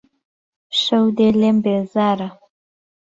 شهو دێ لێم بێزاره